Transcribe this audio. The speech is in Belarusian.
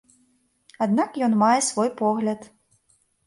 Аднак ён мае свой погляд.